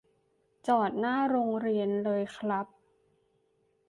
จอดหน้าโรงเรียนเลยครับ